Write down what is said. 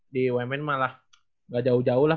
di umn malah gak jauh jauh lah